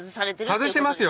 外してますよ！